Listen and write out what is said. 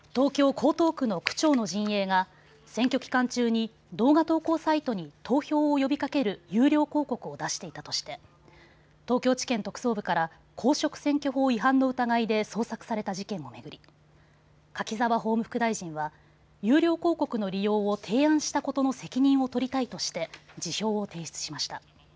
江東区の区長の陣営が選挙期間中に動画投稿サイトに投票を呼びかける有料広告を出していたとして東京地検特捜部から公職選挙法違反の疑いで捜索された事件を巡り柿沢法務副大臣は有料広告の利用を提案したことの責任を取りたいとして辞表を提出しました。